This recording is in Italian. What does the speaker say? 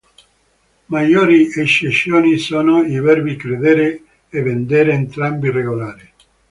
Maggiori eccezioni sono i verbi "credere" e "vendere", entrambi regolari.